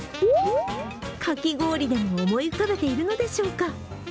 かき氷でも思い浮かべているのでしょうか。